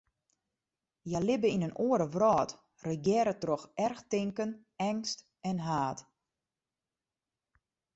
Hja libbe yn in oare wrâld, regearre troch erchtinken, eangst en haat.